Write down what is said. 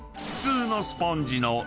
［普通のスポンジの］